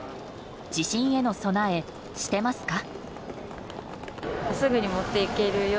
地震への備え、してますか？